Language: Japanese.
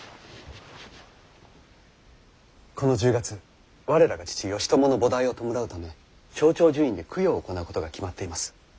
この１０月我らが父義朝の菩提を弔うため勝長寿院で供養を行うことが決まっています。